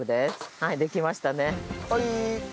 はいできました。